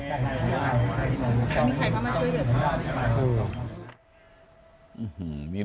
มีใครมาช่วยเหยียบเขา